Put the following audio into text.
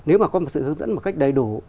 nếu mà có một sự hướng dẫn một cách đầy đủ